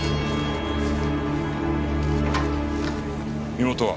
身元は？